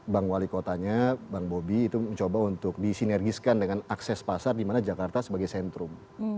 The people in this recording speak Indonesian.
bang wali kotanya bang bobi itu mencoba untuk disinergiskan dengan akses pasar di mana jakarta sebagai sentrum